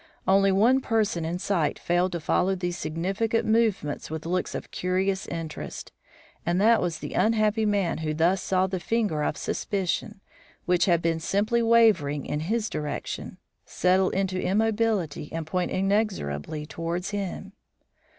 Only one person in sight failed to follow these significant movements with looks of curious interest; and that was the unhappy man who thus saw the finger of suspicion, which had been simply wavering in his direction, settle into immobility and point inexorably towards him.